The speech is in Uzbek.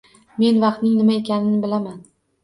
Men vaqtning nima ekanini bilaman